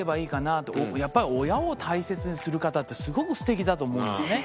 やっぱり親を大切にする方ってすごく素敵だと思うんですね。